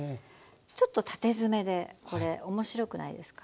ちょっと縦詰めでこれ面白くないですか？